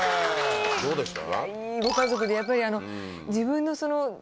どうでした？